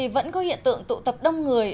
vẫn có hiện tượng tụ tập đông người